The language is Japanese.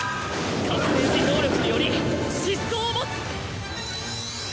覚醒時能力により疾走を持つ！